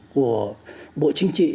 của bộ chính trị